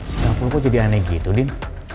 si kapul kok jadi aneh gitu din